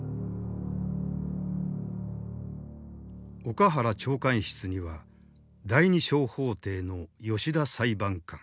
岡原長官室には第二小法廷の吉田裁判官